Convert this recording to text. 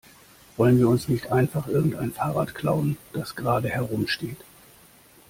Wollen wir uns nicht einfach irgendein Fahrrad klauen, das gerade herumsteht?